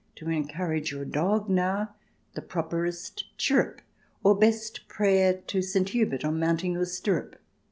To encourage your dog, now, the properest chirrup. Or best prayer to St. Hubert on mounting your stirrup."